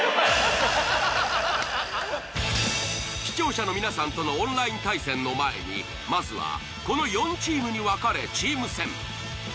視聴者の皆さんとのオンライン対戦の前にまずはこの４チームに分かれチーム戦。